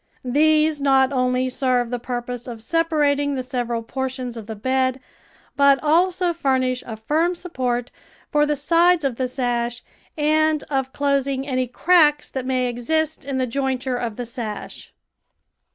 These not only serve the purpose of sepa rating the several portions of the bed, but also fur nish a firm support for the sides of the sash and of closing any cracks that may exist in the joint ure of the sash.